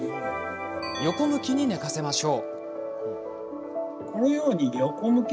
横向きに寝かせましょう。